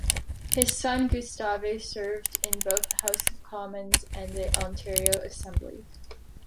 His son Gustave served in both the House of Commons and the Ontario assembly.